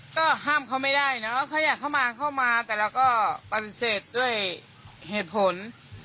ก็ห้ามเขาไม่ได้เนอะเขาอยากเข้ามาเข้ามาแต่เราก็ปฏิเสธด้วยเหตุผล